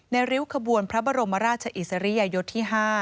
ริ้วขบวนพระบรมราชอิสริยยศที่๕